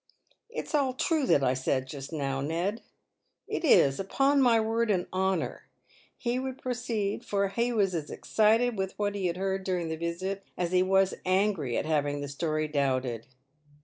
" It's all true that I said just now, Ned — it is, upon my word and honour !" he would proceed, for he was as excited with what he had heard during the visit as he was angry at having the story doubted.